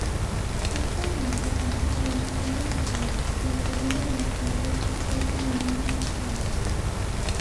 Actualmente compite en Primera Nacional, la segunda división de fútbol femenino en España.